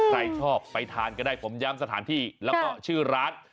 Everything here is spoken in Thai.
ใครชอบไปทานก็ได้ผมย้ำสถานที่แล้วก็ชื่อร้าน